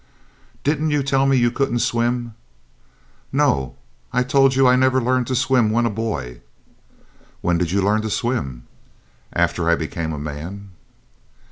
"Didn't you tell me you couldn't swim?" "No; I told you I had never learned to swim when a boy." "When did you learn to swim?" "After I became a man."